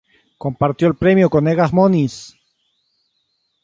Compartió el Premio con Egas Moniz.